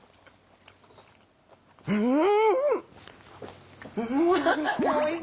うん！